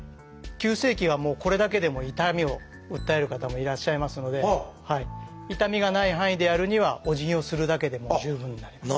急性期はもうこれだけでも痛みを訴える方もいらっしゃいますので痛みがない範囲でやるにはおじぎをするだけでも十分になります。